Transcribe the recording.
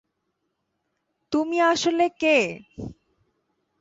তুমি আসলে কে?